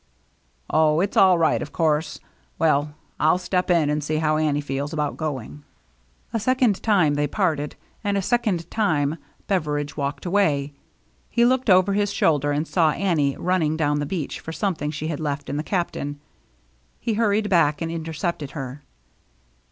"Oh, it's all right, of course; well, I'll step in and see how Annie feels about going." A second time they parted, and a second time Beveridge walked away. He looked over his shoulder, and saw Annie running down the beach for something she had left in the Captain. He hurried back and intercepted her.